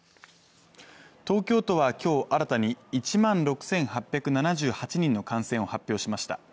東京都は、今日、新たに１万６８７８人の感染を発表しました。